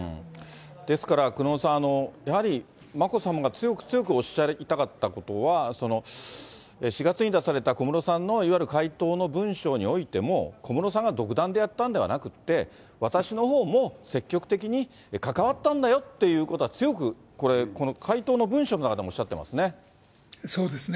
ですから久能さん、やはり、眞子さまが強く強くおっしゃりたかったことは、４月に出された小室さんのいわゆる回答の文書においても、小室さんが独断でやったんではなくて、私のほうも積極的に関わったんだよということは、強くこれ、この回答の文書の中でもおっしゃってますね。